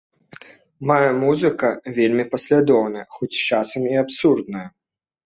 Мая музыка вельмі паслядоўная, хоць часам і абсурдная.